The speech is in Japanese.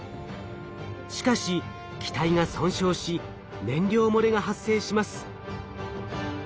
しかし機体が損傷し燃料漏れが発生します。